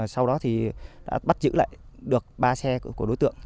sau đó thì đã bắt giữ lại được ba xe của đối tượng